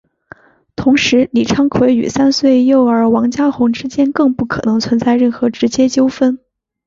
同时李昌奎与三岁幼儿王家红之间更不可能存在任何直接纠纷。